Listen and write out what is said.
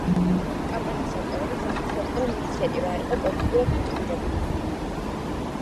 კამპანიის ავტორები ხაზს უსვამენ, რომ ინიციატივა არ იყო პოლიტიკურად მოტივირებული.